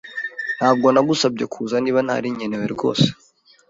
Ntabwo nagusabye kuza niba ntari nkenewe rwose.